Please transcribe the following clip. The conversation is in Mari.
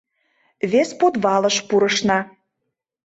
Вес подвалыш пурышна.